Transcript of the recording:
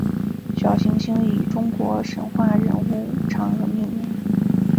小行星以中国神话人物嫦娥命名。